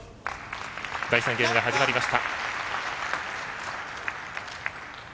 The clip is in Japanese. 第３ゲームが始まりました。